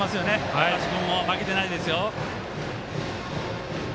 高橋君も負けてないですよ。